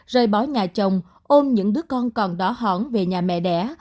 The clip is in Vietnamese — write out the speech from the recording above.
rời bỏ nhà chồng ôn những đứa con còn đó hỏng về nhà mẹ đẻ